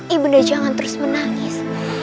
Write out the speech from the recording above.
ibu nda jangan terus menangis